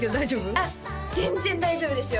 あっ全然大丈夫ですよ